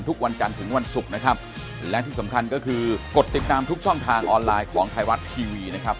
ทุกวันจันทร์ถึงวันศุกร์นะครับและที่สำคัญก็คือกดติดตามทุกช่องทางออนไลน์ของไทยรัฐทีวีนะครับ